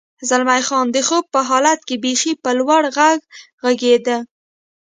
زلمی خان: د خوب په حالت کې بېخي په لوړ غږ غږېدې.